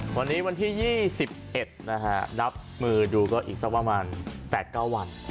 วันนี้วันที่๒๑นะฮะนับมือดูก็อีกสักประมาณ๘๙วัน